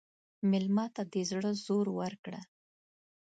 مېلمه ته د زړه زور ورکړه.